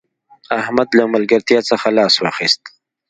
احمد له ملګرتیا څخه لاس واخيست